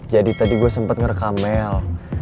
jadi tadi gue sempet ngerekamel